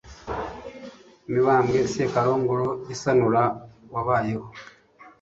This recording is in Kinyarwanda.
Mibambwe Sekarongoro Gisanura wabayeho